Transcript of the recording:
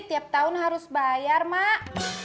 tiap tahun harus bayar mak